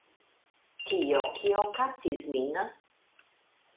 Tio, kio kaptis min .